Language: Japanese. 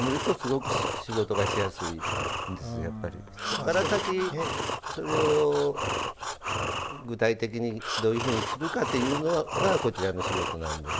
そこから先それを具体的にどういうふうにするかというのがこちらの仕事なんで。